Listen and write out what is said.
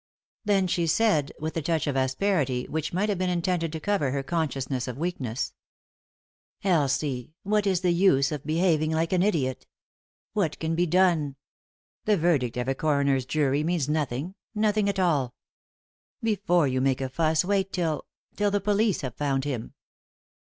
Then she said, with a touch of asperity which might have been intended to cover her consciousness of weakness: " Elsie, what is the use of behaving like an idiot ? What can be done ? The verdict of a coroner's jury means nothing — nothing at all 1 Before you make a fuss wait till — till the police have found him."